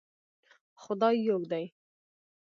خدای يو دی